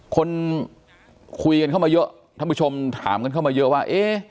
คนคุยกันเข้ามาเยอะท่านผู้ชมถามกันเข้ามาเยอะว่าเอ๊ะ